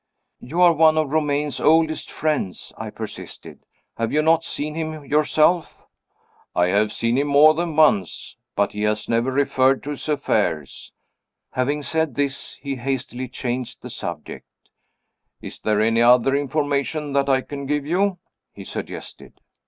"You are one of Romayne's oldest friends," I persisted. "Have you not seen him yourself?" "I have seen him more than once. But he has never referred to his affairs." Having said this he hastily changed the subject. "Is there any other information that I can give you?" he suggested.